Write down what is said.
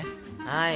はい！